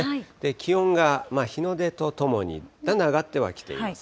気温が日の出とともに、だんだん上がってはきています。